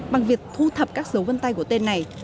bằng việc thu thập các dấu vân tay của tên này